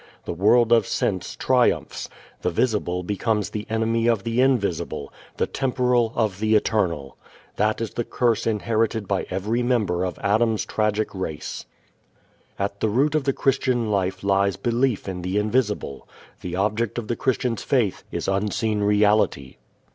The world of sense triumphs. The visible becomes the enemy of the invisible; the temporal, of the eternal. That is the curse inherited by every member of Adam's tragic race. At the root of the Christian life lies belief in the invisible. The object of the Christian's faith is unseen reality.